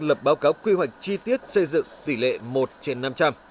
lập báo cáo quy hoạch chi tiết xây dựng tỷ lệ một trên năm trăm linh